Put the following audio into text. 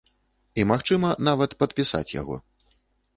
І магчыма, нават падпісаць яго.